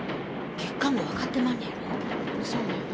結果はもう分かってまんねんやろ？